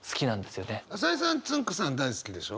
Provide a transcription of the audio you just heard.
朝井さんつんく♂さん大好きでしょ？